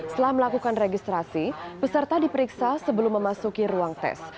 setelah melakukan registrasi peserta diperiksa sebelum memasuki ruang tes